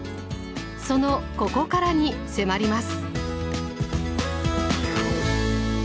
そのここからに迫ります。